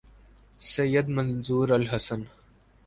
سید Manzoor الحسن